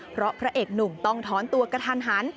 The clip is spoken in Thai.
เพราะพระเอกหนุ่มต้องถอนตัวกระทันหัน